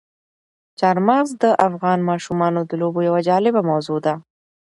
چار مغز د افغان ماشومانو د لوبو یوه جالبه موضوع ده.